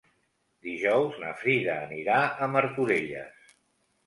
Dijous na Frida anirà a Martorelles.